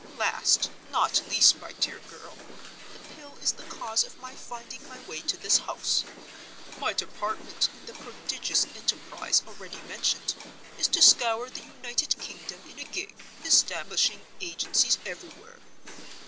Last, not least, my dear girl, the Pill is the cause of my finding my way to this house. My department in the prodigious Enterprise already mentioned is to scour the United Kingdom in a gig, establishing Agencies everywhere.